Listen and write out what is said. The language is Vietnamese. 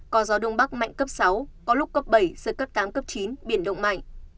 có gió đông bắc mạnh cấp sáu có lúc cấp bảy giật cấp tám cấp chín biển động mạnh